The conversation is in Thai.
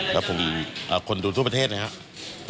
แล้วผมคนดูทั่วประเทศนะครับ